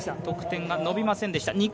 得点が伸びませんでした。